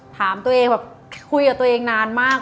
ถามตัวเองแบบคุยกับตัวเองนานมาก